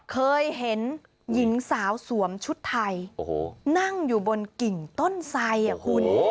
เคยเห็นหญิงสาวสวมชุดไทยนั่งอยู่บนกิ่งต้นไสคุณ